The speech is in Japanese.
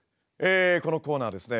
このコーナーはですね